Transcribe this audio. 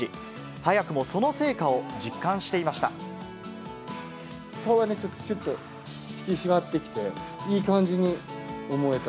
早くもその成果を実感していました。